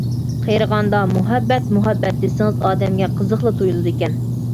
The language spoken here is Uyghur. — قېرىغاندا مۇھەببەت، مۇھەببەت. دېسىڭىز ئادەمگە قىزىقلا تۇيۇلىدىكەن.